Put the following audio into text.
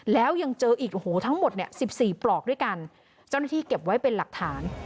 แล้วยังเจออีกโอ้โหทั้งหมดเนี่ยสิบสี่ปลอกด้วยกันเจ้าหน้าที่เก็บไว้เป็นหลักฐาน